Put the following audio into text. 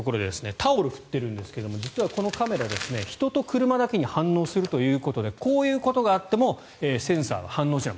タオルを振っているんですが実はこのカメラ、人と車だけに反応するということでこういうことがあってもセンサーは反応しない。